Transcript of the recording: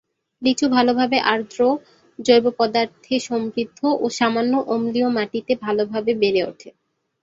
লিচু ভালভাবে আর্দ্র, জৈব পদার্থে সমৃদ্ধ ও সামান্য অম্লীয় মাটিতে ভাল ভাবে বেড়ে ওঠে।